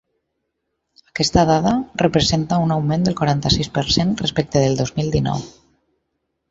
Aquesta dada representa un augment del quaranta-sis per cent respecte del dos mil dinou.